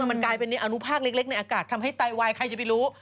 มันกลายเป็นอนุภาคเล็กในอากาศทำให้ไตวายใครจะไปรู้